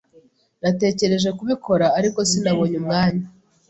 Natekereje kubikora, ariko sinabonye umwanya.